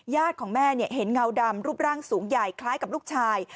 ของแม่เห็นเงาดำรูปร่างสูงใหญ่คล้ายกับลูกชาย